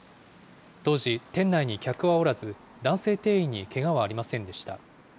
当時、店内に客はおらず、男性店員にけがはありませんでした。